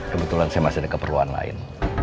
kebetulan saya masih ada keperluan lain